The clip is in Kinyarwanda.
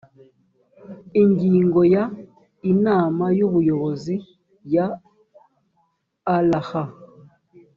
ingingo ya inama y ubuyobozi ya rha